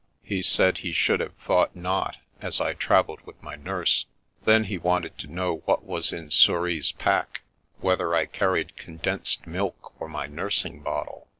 He said he should have thought not, as I travelled with my nurse. Then he wanted to know what was in Souris' pack, whether I carried condensed milk for my nursing bottle.